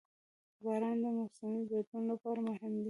• باران د موسمي بدلون لپاره مهم دی.